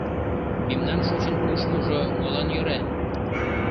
Мемнан шочын-кушмыжо молан йӧра?